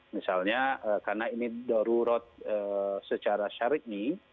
misalnya karena ini darurat secara syarik nih